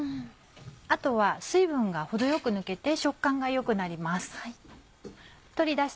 あとは水分が程よく抜けて食感が良くなります。